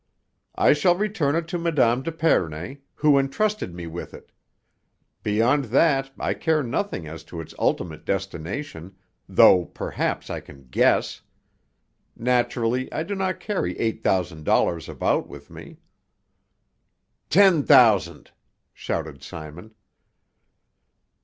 "I shall return it to Mme. d'Epernay, who entrusted me with it. Beyond that I care nothing as to its ultimate destination, though perhaps I can guess. Naturally I do not carry eight thousand dollars about with me " "Ten thousand!" shouted Simon.